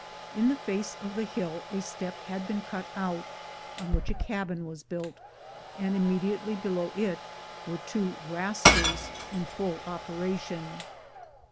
In the face of the hill a step had been cut out, on which a cabin was built, and immediately below it were two "rasters"* in full operation.